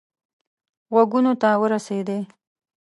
غوږونو ته ورسېدی.